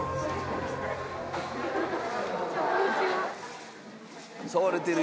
こんにちは。